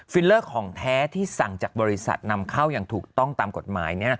เลอร์ของแท้ที่สั่งจากบริษัทนำเข้าอย่างถูกต้องตามกฎหมาย